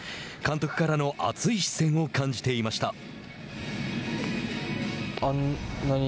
監督からの熱い視線を感じていました。